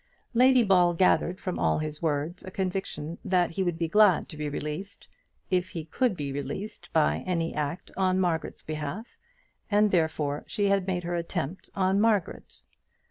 Lady Ball gathered from all his words a conviction that he would be glad to be released, if he could be released by any act on Margaret's behalf, and therefore she had made her attempt on Margaret.